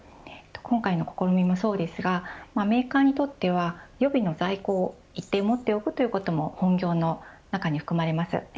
今回の試みもそうですがメーカーにとっては予備の在庫を一定持っておくことも本業の中に含まれます。